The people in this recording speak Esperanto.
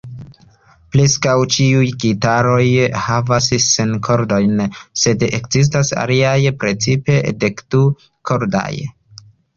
Preskaŭ ĉiuj gitaroj havas ses kordojn, sed ekzistas aliaj, precipe dekdu-kordaj.